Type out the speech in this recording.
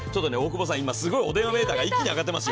今、お電話メーターが一気に上がってますよ。